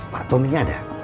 pak tommy ada